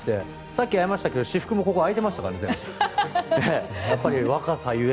さっき会いましたけど私服も全部開いてましたから。